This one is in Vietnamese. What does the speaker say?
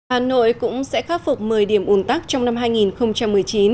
hà nội cũng sẽ khắc phục một mươi điểm ủn tắc trong năm hai nghìn một mươi chín